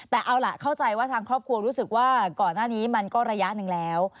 แต่เอาล่ะเข้าใจว่าทางครอบครัวรู้สึกว่าก่อนหน้านี้มันก็ระยะหนึ่งแล้ว